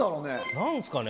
何すかね？